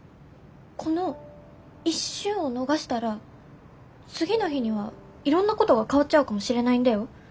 この一瞬を逃したら次の日にはいろんなことが変わっちゃうかもしれないんだよ。